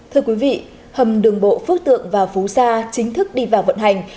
thưa quý vị hầm đường bộ phước tượng và phú sa chính thức đi vào vận hành